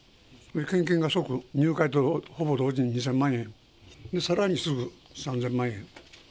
献金が即入会とほぼ同時に２０００万円、さらにすぐ３０００万円。